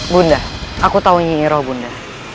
bunda aku tahu nyiral bunda